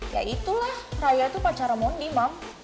ya itulah raya tuh pacara moni mam